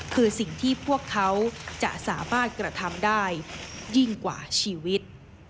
คือสิ่งที่พวกเขาจะสามารถกระทำได้ยิ่งกว่าชีวิต